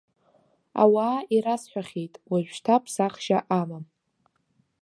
Ауаа ирасҳәахьеит, уажәшьҭа ԥсахшьа амам.